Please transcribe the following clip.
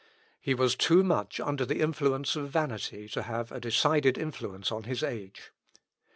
He was too much under the influence of vanity to have a decided influence on his age.